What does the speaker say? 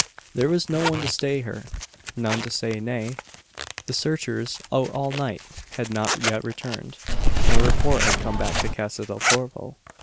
There was no one to stay her none to say nay. The searchers out all night had not yet returned. No report had come back to Casa del Corvo.